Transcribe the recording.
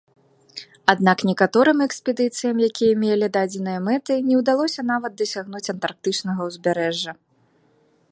Аднак некаторым экспедыцыям, якія мелі дадзеныя мэты, не ўдалося нават дасягнуць антарктычнага ўзбярэжжа.